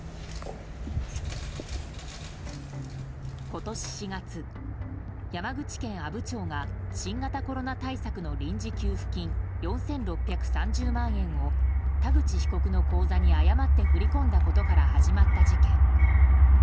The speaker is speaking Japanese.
今年４月山口県阿武町が新型コロナ対策の臨時給付金４６３０万円を田口被告の口座に誤って振り込んだことから始まった事件。